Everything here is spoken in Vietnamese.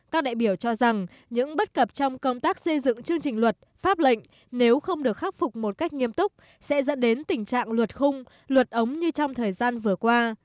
các đại biểu cho rằng những bất cập trong công tác xây dựng chương trình luật pháp lệnh nếu không được khắc phục một cách nghiêm túc sẽ dẫn đến tình trạng luật khung luật ống như trong thời gian vừa qua